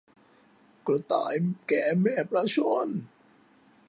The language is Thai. กระต่ายแก่แม่ปลาช่อน